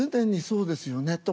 そうですね。